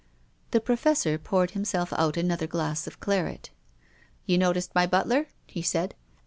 The Professor poured himself out another glass of claret. " You noticed my butler ?" he said.